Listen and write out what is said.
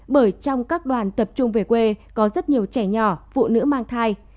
bởi trong các đoàn tập trung về quê có rất nhiều trẻ nhỏ phụ nữ mang thai